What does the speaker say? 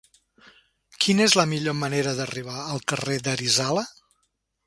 Quina és la millor manera d'arribar al carrer d'Arizala?